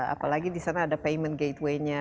apalagi disana ada payment gatewaynya